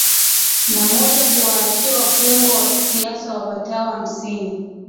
na moja kuwaachia wafungwa wa kisiasa wapatao hamsini